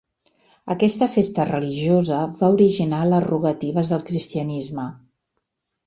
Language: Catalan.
Aquesta festa religiosa va originar les rogatives del cristianisme.